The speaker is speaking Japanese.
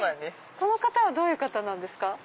この方はどういう方なんですか？